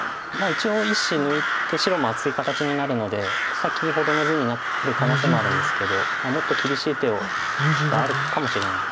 一応１子抜いて白も厚い形になるので先ほどの図になる可能性もあるんですけどもっと厳しい手があるかもしれない。